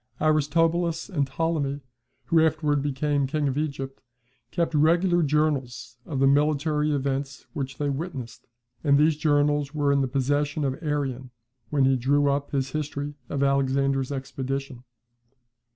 Aristobulus and Ptolemy (who afterwards became king of Egypt) kept regular journals of the military events which they witnessed; and these journals were in the possession of Arrian, when he drew up his history of Alexander's expedition.